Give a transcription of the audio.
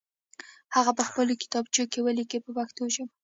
هغه په خپلو کتابچو کې ولیکئ په پښتو ژبه.